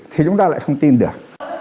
thì chúng ta lại không tin được